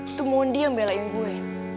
itu mondi yang belain gue